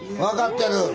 わかってる。